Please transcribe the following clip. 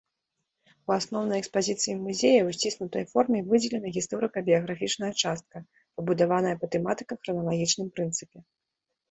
У асноўнай экспазіцыі музея ў сціснутай форме выдзелена гісторыка-біяграфічная частка, пабудаваная па тэматыка-храналагічным прынцыпе.